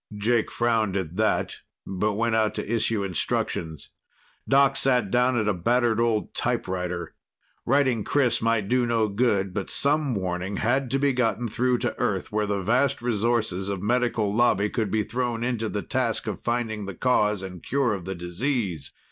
Jake frowned at that, but went out to issue instructions. Doc sat down at a battered old typewriter. Writing Chris might do no good, but some warning had to be gotten through to Earth, where the vast resources of Medical Lobby could be thrown into the task of finding the cause and cure of the disease.